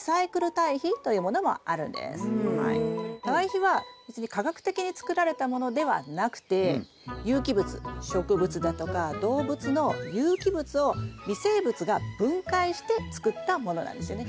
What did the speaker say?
堆肥は別に化学的につくられたものではなくて有機物植物だとか動物の有機物を微生物が分解してつくったものなんですよね。